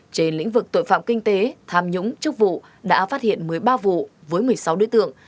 trên lĩnh vực tội phạm kinh tế tham nhũng chức vụ đã phát hiện một mươi ba vụ với một mươi sáu đối tượng